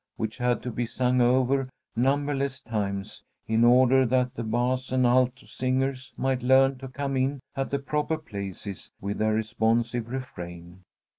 which had to be sung over numberless times in order that the bass and alto singers might learn to come in at the proper places with their responsive refrain.